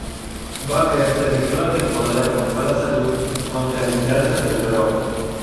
Baker terminó la temporada con mala salud, aunque al final se recuperó.